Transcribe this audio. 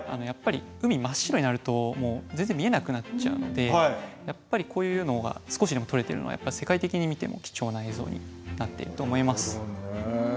やっぱり海真っ白になると全然見えなくなっちゃうのでやっぱりこういうのが少しでも撮れてるのはやっぱり世界的に見ても貴重な映像になっていると思います。